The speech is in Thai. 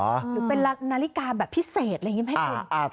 หรือเป็นนาฬิกาแบบพิเศษอะไรอย่างนี้ไหมคุณ